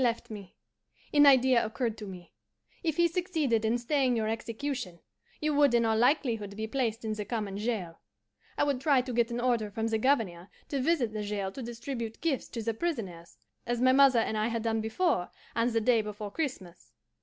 "Then he left me. An idea occurred to me. If he succeeded in staying your execution, you would in all likelihood be placed in the common jail. I would try to get an order from the Governor to visit the jail to distribute gifts to the prisoners, as my mother and I had done before on the day before Christmas.